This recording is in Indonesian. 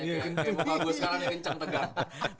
kayak muka gue sekarang ya kenceng tegang